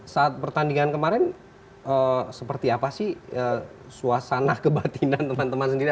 saat pertandingan kemarin seperti apa sih suasana kebatinan teman teman sendiri